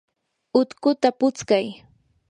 utkuta putskay.